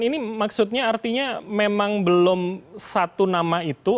ini maksudnya artinya memang belum satu nama itu